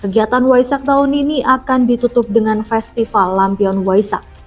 kegiatan waisak tahun ini akan ditutup dengan festival lampion waisak